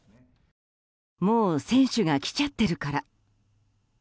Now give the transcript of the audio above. もう選手が来ちゃってるから。